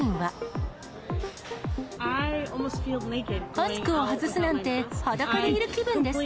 マスクを外すなんて、裸でいる気分です。